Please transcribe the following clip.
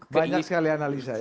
banyak sekali analisa ya